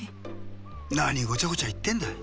なにごちゃごちゃいってんだ。